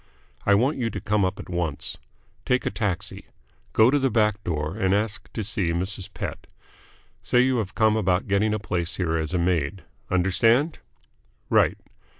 I want you to come up at once. Take a taxi. Go to the back door and ask to see Mrs. Pett. Say you have come about getting a place here as a maid. Understand? Right.